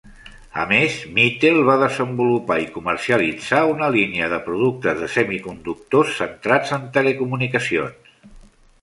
A més, Mitel va desenvolupar i comercialitzar una línia de productes de semiconductors centrats en telecomunicacions.